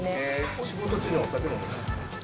お仕事中にお酒飲むんですか。